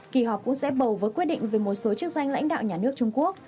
kỳ họp cũng sẽ bầu với quyết định về một số chức danh lãnh đạo nhà nước trung quốc